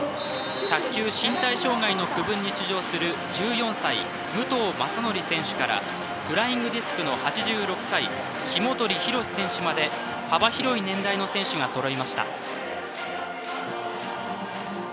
卓球・身体障害の区分に出場する１４歳、武藤誠則選手からフライングディスクの８６歳、下鳥博選手まで幅広い年代の選手がそろいました。